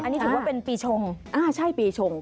อันนี้ถือว่าเป็นปีชง